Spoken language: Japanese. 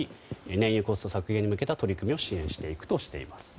燃油コスト削減に向けた取り組みを支援していくとしています。